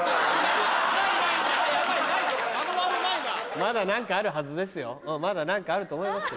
まだ何かあるはずですよまだ何かあると思いますよ。